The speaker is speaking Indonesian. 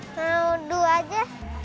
mau dua aja